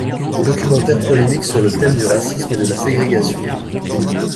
Documentaire polémique sur le thème du racisme et de la ségrégation.